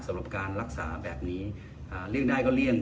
สำหรับการรักษาแบบนี้เลี่ยงได้ก็เลี่ยง